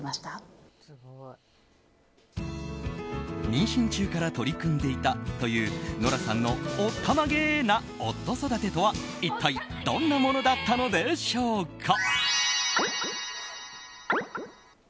妊娠中から取り組んでいたというノラさんのおったまげな夫育てとは一体どんなものだったのでしょうか。